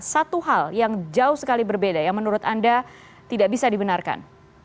satu hal yang jauh sekali berbeda yang menurut anda tidak bisa dibenarkan